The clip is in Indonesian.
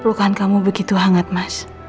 pelukan kamu begitu hangat mas